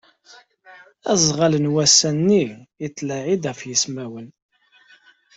Azɣal n wass-nni yettlaɛi-d ɣef yismawen.